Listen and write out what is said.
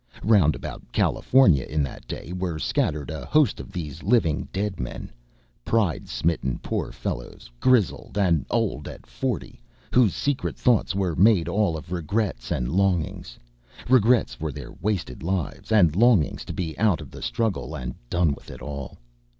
Round about California in that day were scattered a host of these living dead men pride smitten poor fellows, grizzled and old at forty, whose secret thoughts were made all of regrets and longings regrets for their wasted lives, and longings to be out of the struggle and done with it all.